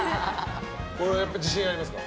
これは自信ありますか？